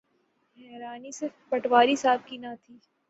حیرانی صرف پٹواری صاحب کی نہ تھی۔